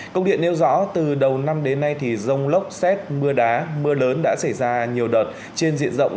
công điện nêu rõ từ đầu năm đến nay thì rông lốc xét mưa đá mưa lớn đã xảy ra nhiều đợt trên diện rộng